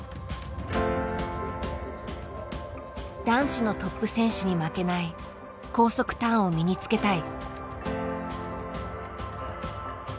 男子のトップ選手に負けない高速ターンを身につけたい。